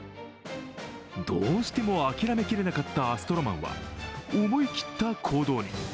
どうしても諦めきれなかったアストロマンは思い切った行動に。